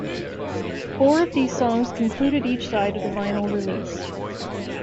Four of these songs concluded each side of the vinyl release.